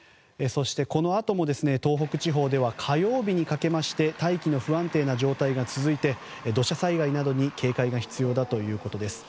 そして、このあとも東北地方では火曜日にかけまして大気の不安定な状態が続いて土砂災害などに警戒が必要だということです。